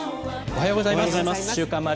おはようございます。